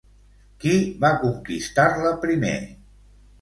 Qui va conquistar-la primer?